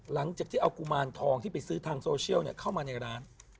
หลังจากที่เอากุมารทองที่ไปซื้อทางโซเชียลเข้ามาในร้าน